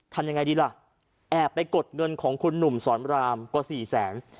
ทำยังไงดีล่ะแอบไปกดเงินของคุณหนุ่มสอนรามกว่าสี่แสน